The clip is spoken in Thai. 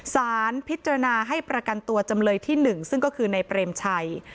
สารพิจารณาให้ประกันตัวจำเลยที่๑ซึ่งก็คือในเปรมชัย